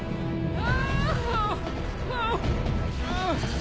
あ！